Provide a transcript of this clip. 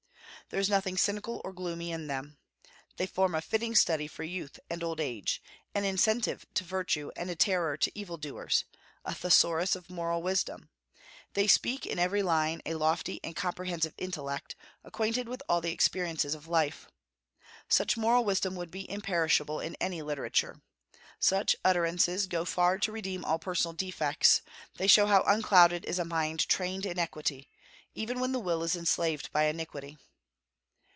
There is nothing cynical or gloomy in them. They form a fitting study for youth and old age, an incentive to virtue and a terror to evil doers, a thesaurus of moral wisdom; they speak in every line a lofty and comprehensive intellect, acquainted with all the experiences of life. Such moral wisdom would be imperishable in any literature. Such utterances go far to redeem all personal defects; they show how unclouded is a mind trained in equity, even when the will is enslaved by iniquity.